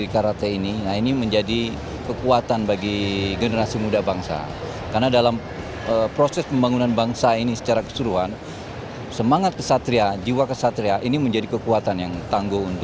kejuaraan yang diikuti oleh satu ratus dua peserta